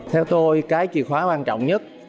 theo tôi cái chìa khóa quan trọng nhất